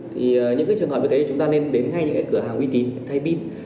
thì những cái trường hợp như thế chúng ta nên đến ngay những cái cửa hàng uy tín thay